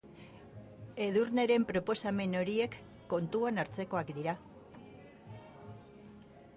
Edurneren proposamen horiek kontuan hartzekoak dira.